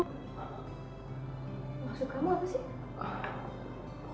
maksud kamu apa sih